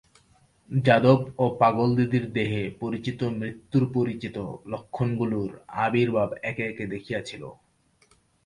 যাদব ও পাগলদিদির দেহে পরিচিত মৃত্যুর পরিচিত লক্ষণগুলির আবির্ভাব একে একে দেখিয়াছিল।